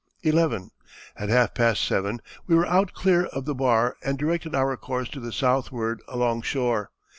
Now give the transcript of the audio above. "11. At half past 7 we were out clear of the bar and directed our course to the southward along shore.